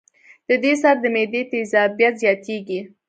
د دې سره د معدې تېزابيت زياتيږي